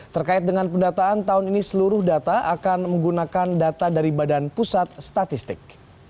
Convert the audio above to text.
terkait dengan pendataan tahun ini seluruh data akan menggunakan data dari badan pusat statistik